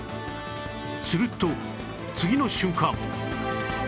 すると次の瞬間！